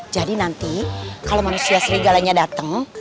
jadi nanti kalau manusia serigalanya dateng